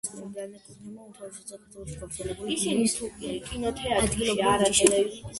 ამ უკანასკნელს განეკუთვნება უმთავრესად საქართველოში გავრცელებული ბლის ადგილობრივი ჯიშები.